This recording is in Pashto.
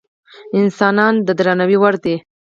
انسانان د درناوي وړ دي.